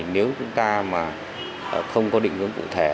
nếu chúng ta không có định hướng cụ thể